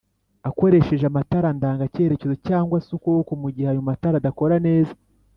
akoresheje amatara ndanga cyerekezo cg se ukuboko mugihe ayo matara adakora neza